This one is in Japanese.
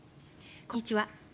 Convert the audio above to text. こんにちは。